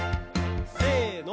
せの。